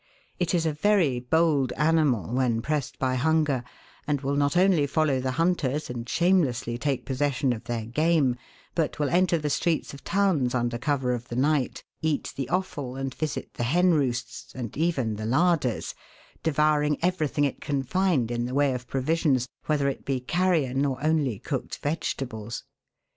It is a very bold ani mal when pressed by hunger, and will not only follow the hunters and shamelessly take posses sion of their game, but will enter the streets of towns under cover of the night, eat the offal, and visit the hen roosts, and even the larders, devouring everything it can find in the way of provisions, whether it be carrion or only cooked vegetables.